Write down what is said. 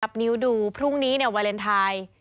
สับนิ้วดูพรุ่งนี้เนี่ยเวลนไทย